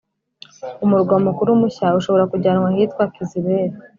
Umurwa mukuru mushya ushobora kujyanwa ahitwa kizibere